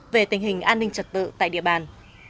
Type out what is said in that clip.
về tình hình an ninh trật tự tại địa bàn